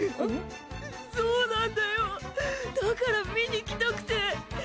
そうなんだよだから見に来たくて。